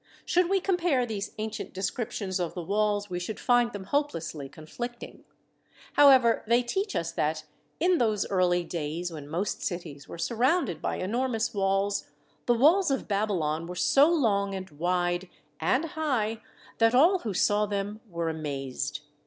Should we compare these ancient descriptions of the walls, we should find them hopelessly conflicting. How ever, they teach us that in those early days when most cities were surrounded by enormous walls, 52 THE SEVEN WONDERS the walls of Babylon were so long and wide and high that all who saw them were amazed.